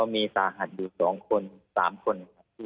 มีสาหัสอยู่๒คน๓คน